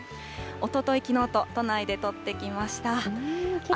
おととい、きのうと都内で撮ってきました。